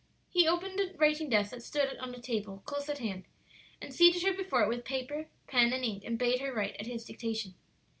He opened a writing desk that stood on a table close at hand, and seated her before it with paper, pen, and ink, and bade her write, at his dictation.